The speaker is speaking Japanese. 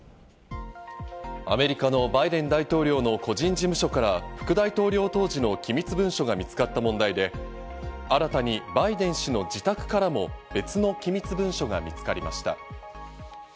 アメリカのバイデン大統領の個人事務所から副大統領当時の機密文書が見つかった問題で、新たにバイデン氏の自宅からも別の機密文書が見つかりました。